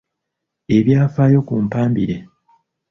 Ebyafaayo ku Mpambire.